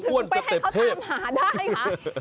ต้องควรจะเต็มเทศให้เขาตามหาได้เหรอถึงไปให้เขาตามหาได้หรอ